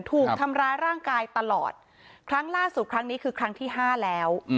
ถูกทำร้ายร่างกายตลอดครั้งล่าสุดครั้งนี้คือครั้งที่ห้าแล้ว